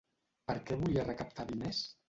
Per què volia recaptar diners?